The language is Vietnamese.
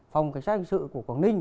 phòng cảnh sát hành sự của quảng ninh